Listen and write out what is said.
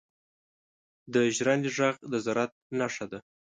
• د ژرندې ږغ د زراعت نښه ده.